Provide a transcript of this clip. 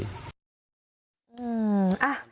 ใช่